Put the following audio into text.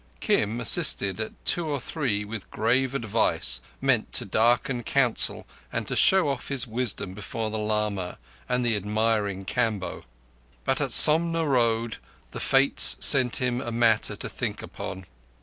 Kim assisted at two or three with grave advice, meant to darken counsel and to show off his wisdom before the lama and the admiring Kamboh. But at Somna Road the Fates sent him a matter to think upon.